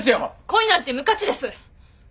恋なんて無価値です！